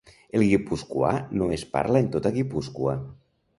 El guipuscoà no es parla en tota Guipúscoa.